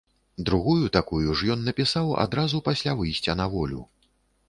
Другую такую ж ён напісаў адразу пасля выйсця на волю.